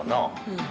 うん。